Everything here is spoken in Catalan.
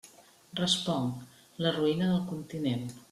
Responc: la ruïna del continent.